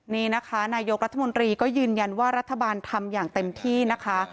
นี่นะคะนายกรัฐมนตรีก็ยืนยันว่ารัฐบาลทำอย่างเต็มที่นะคะ